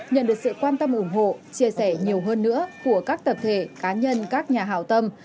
nhận được sự quan tâm ủng hộ chia sẻ nhiều hơn nữa của các tập thể cá nhân các nhà hào tâm